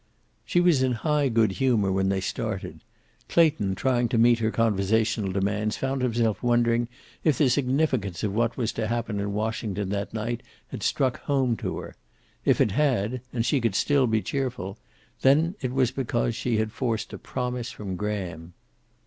She was in high good humor when they started. Clayton, trying to meet her conversational demands found himself wondering if the significance of what was to happen in Washington that night had struck home to her. If it had, and she could still be cheerful, then it was because she had forced a promise from Graham.